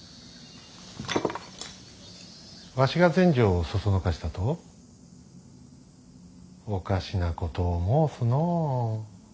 わしが全成を唆したと？おかしなことを申すのう。